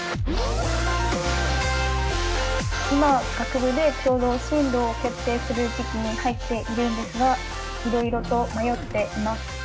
今学部でちょうど進路を決定する時期に入っているんですがいろいろと迷っています。